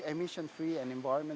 emisiensi dan kemudahan